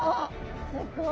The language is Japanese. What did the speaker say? すっごい！